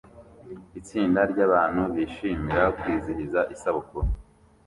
Itsinda ryabantu bishimira kwizihiza isabukuru